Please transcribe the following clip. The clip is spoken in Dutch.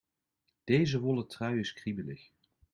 Deze wollen trui is kriebelig.